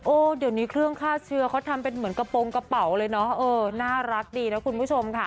เดี๋ยวนี้เครื่องฆ่าเชื้อเขาทำเป็นเหมือนกระโปรงกระเป๋าเลยเนาะเออน่ารักดีนะคุณผู้ชมค่ะ